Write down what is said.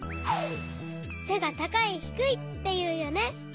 せが「たかい」「ひくい」っていうよね。